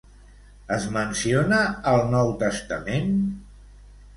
Es menciona al Nou Testament?